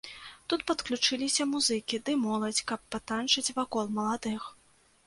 Тут падключаліся музыкі ды моладзь, каб патанчыць вакол маладых.